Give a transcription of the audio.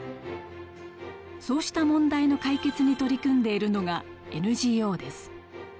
そうした問題の解決に取り組んでいるのがＮＧＯです。